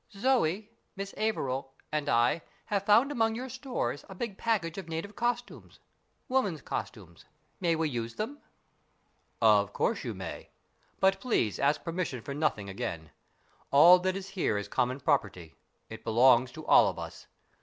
"Zoe Miss Averil and I have found among your stores a big package of native costumes women's costumes. May we use them ?"" Of course you may. But please ask permission for nothing again. All that is here is common property. It belongs to all of us.